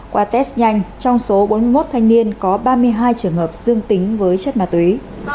qua test nhanh trong số bốn mươi một thanh niên có ba mươi hai trường hợp dương tính với chất ma túy